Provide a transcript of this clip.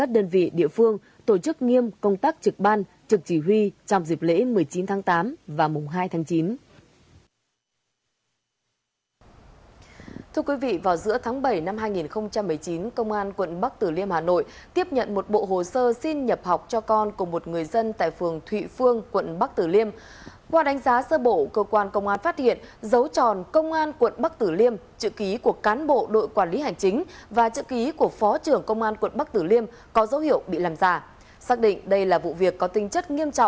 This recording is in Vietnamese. địa phương tổ chức nghiêm công tác trực ban trực chỉ huy trong dịp lễ một mươi chín tháng tám và mùng hai tháng chín